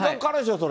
それ。